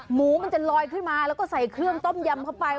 หมูมันจะลอยขึ้นมาแล้วก็ใส่เครื่องต้มยำเข้าไป